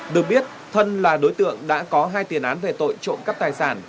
được biết thân là đối tượng đã có hai tiền án về tội trộm cắp tài sản